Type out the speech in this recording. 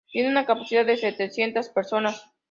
Tiene una capacidad de setecientas personas.